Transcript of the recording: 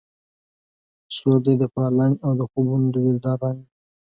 سور دی د پالنګ او د خوبونو د دلدار رنګ